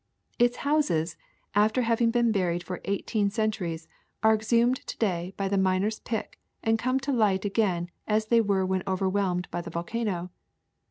Its houses, after having been buried for eighteen cen turies, are exhumed to day by the miner's pick and come to light again as they were when overwhelmed by the volcano.